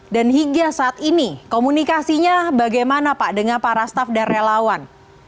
dan hingga saat ini komunikasinya bagaimana pak dengan para staf dan relawan